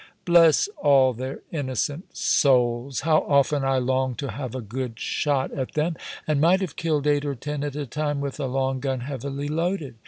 Bless all their innocent souls, how often I longed to have a good shot at them, and might have killed eight or ten at a time with a long gun heavily loaded!